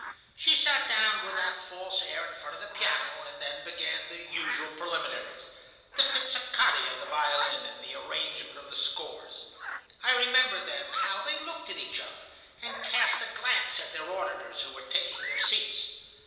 She sat down with that false air in front of the piano, and then began the usual preliminaries,—the pizzicati of the violin and the arrangement of the scores. I remember then how they looked at each other, and cast a glance at their auditors who were taking their seats.